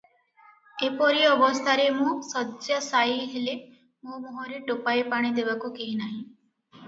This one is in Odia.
ଏପରି ଅବସ୍ଥାରେ ମୁଁ ଶଯ୍ୟାଶାୟୀ ହେଲେ ମୋ ମୁହଁରେ ଟୋପାଏ ପାଣି ଦେବାକୁ କେହି ନାହି ।